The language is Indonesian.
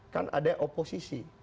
kan ada oposisi